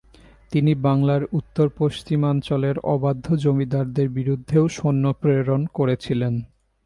তিনি বাংলার উত্তর পশ্চিমাঞ্চলের অবাধ্য জমিদারদের বিরুদ্ধেও সৈন্য প্রেরণ করেছিলেন।